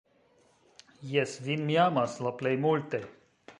Jes, vin mi amas la plej multe!